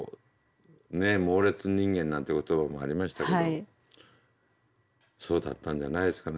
「モーレツ人間」なんて言葉もありましたけどそうだったんじゃないですかね。